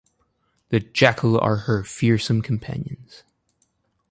The jackal are her fearsome companions.